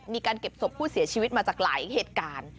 มีการเก็บศพผู้เสียชีวิตมาจากหลายเหตุการณ์